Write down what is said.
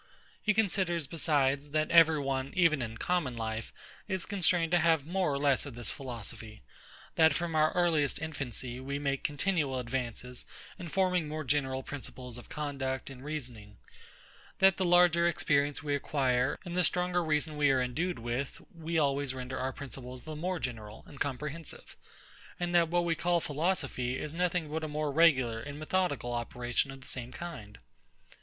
He considers besides, that every one, even in common life, is constrained to have more or less of this philosophy; that from our earliest infancy we make continual advances in forming more general principles of conduct and reasoning; that the larger experience we acquire, and the stronger reason we are endued with, we always render our principles the more general and comprehensive; and that what we call philosophy is nothing but a more regular and methodical operation of the same kind.